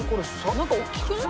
なんか大きくない？